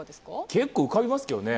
結構浮かびますけどね。